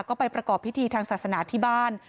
ก็ไปประกอบพิธีทางศาสนาที่บ้าน